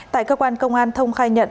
tại cơ quan công an thông khai nhận